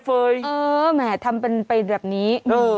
เออแหมทำไปแบบนี้